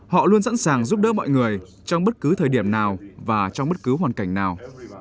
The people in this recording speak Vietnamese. họ luôn sẵn sàng giúp đỡ mọi người trong bất cứ thời điểm nào và trong bất cứ hoàn cảnh nào